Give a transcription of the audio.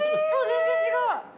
全然違う。